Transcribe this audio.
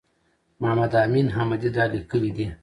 محمد امین احمدي دا لیکلي دي.